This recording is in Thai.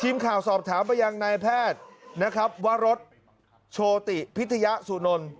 ทีมข่าวสอบถามไปยังนายแพทย์วรษโชติพิธยสุนน